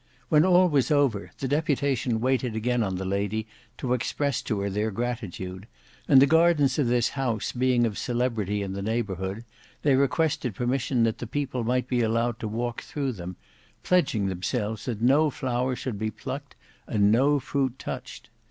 When all was over, the deputation waited again on the lady to express to her their gratitude, and the gardens of this house being of celebrity in the neighbourhood, they requested permission that the people might be allowed to walk through them, pledging themselves that no flower should be plucked and no fruit touched.